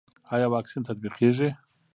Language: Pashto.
آیا واکسین تطبیقیږي؟